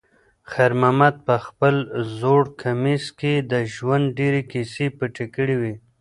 خیر محمد په خپل زوړ کمیس کې د ژوند ډېرې کیسې پټې کړې وې.